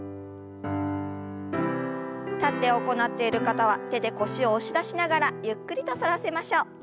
立って行っている方は手で腰を押し出しながらゆっくりと反らせましょう。